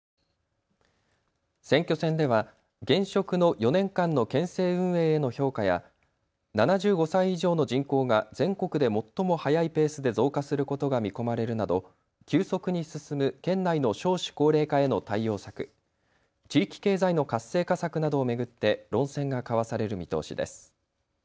選挙戦では、現職の４年間の県政運営への評価や７５歳以上の人口が全国で最も速いペースで増加することが見込まれるなど急速に進む県内の少子高齢化への対応策、地域経済の活性化策などを巡って論戦が交わされる見通しです。